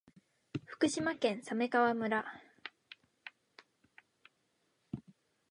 福島県鮫川村